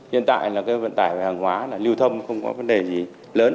hiện tại là cái vận tải hàng hóa là lưu thâm không có vấn đề gì lớn